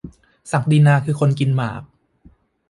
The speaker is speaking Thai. ศักดินาคือคนกินหมาก ?